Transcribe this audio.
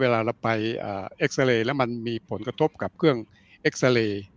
แล้วมันมีผลกระทบกับเครื่องอันนี้